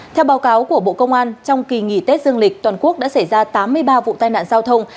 theo báo cáo của bộ công an trong kỳ nghỉ tết dương lịch toàn quốc đã xảy ra tám mươi ba vụ tai nạn giao thông